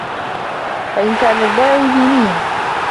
فَإِنْ كَانَ الدَّاعِي دِينِيًّا